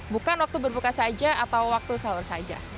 bukan waktu berbuka saja atau waktu sahur saja